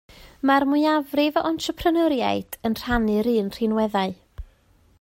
Mae'r mwyafrif o entrepreneuriaid yn rhannu'r un rhinweddau.